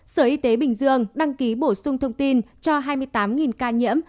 sở y tế bình dương đăng ký bổ sung thông tin cho hai mươi tám ca nhiễm